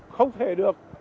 không thể được